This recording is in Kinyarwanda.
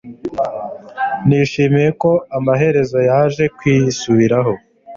Nishimiye ko amaherezo yaje kwisubiraho